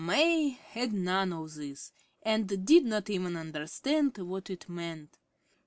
May had none of this, and did not even understand what it meant.